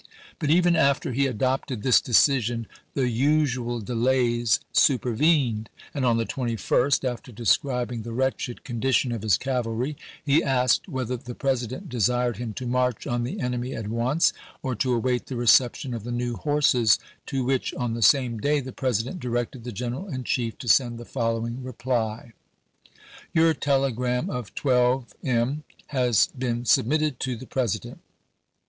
But even after he adopted this decision the usual delays supervened ; Oct., 1862. and on the 21st, after describing the wretched con dition of his cavalry, he asked whether the Presi dent desired him "to march on the enemy at once Ibid., p. 81. or to await the reception of the new horses," to which, on the same day, the President directed the General in Chief to send the following reply : Your telegram of 12 M. has been submitted to the President.